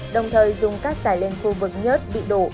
đồng thời dùng các tải lên khu vực nhớt bị đổ